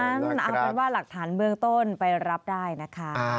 เอาเป็นว่าหลักฐานเบื้องต้นไปรับได้นะคะ